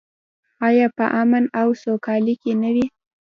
آیا په امن او سوکالۍ کې نه وي؟